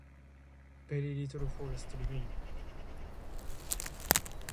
Very little forest remains.